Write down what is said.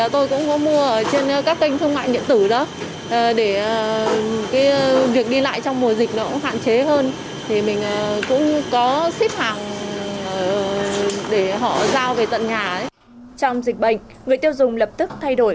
trong dịch bệnh người tiêu dùng lập tức thay đổi